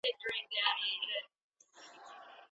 لاس لیکنه د فکري پراختیا سره نږدې اړیکه لري.